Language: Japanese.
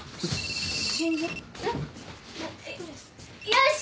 よし！